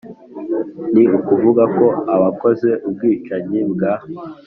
ni ukuvuga ko abakoze ubwicanyi bwa